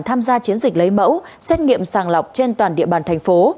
tham gia chiến dịch lấy mẫu xét nghiệm sàng lọc trên toàn địa bàn thành phố